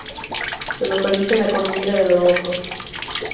Se localiza en la cordillera de los Vosgos.